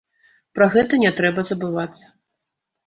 Пра гэта не трэба забывацца.